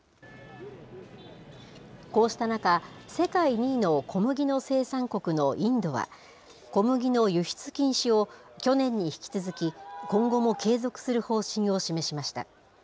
こうした中、世界２位の小麦の生産国のインドは、小麦の輸出禁止を去年に引き続き、今後も継続する方針を示しました。